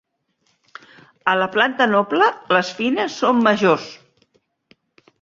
A la planta noble les fines són majors.